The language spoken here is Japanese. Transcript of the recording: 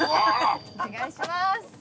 お願いします。